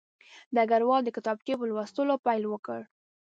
ډګروال د کتابچې په لوستلو پیل وکړ